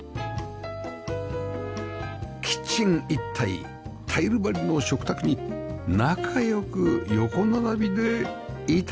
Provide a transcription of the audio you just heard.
キッチン一体タイル張りの食卓に仲良く横並びで頂きます